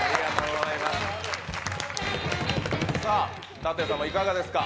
舘様、いかがですか。